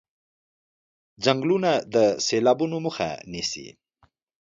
ځنګلونه د سېلابونو مخه نيسي.